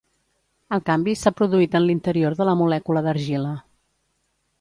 El canvi s'ha produït en l'interior de la molècula d'argila.